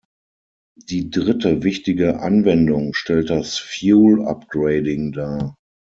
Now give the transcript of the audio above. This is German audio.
Die dritte wichtige Anwendung stellt das Fuel-Upgrading dar.